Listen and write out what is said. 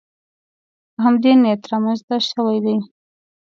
په همدې نیت رامنځته شوې دي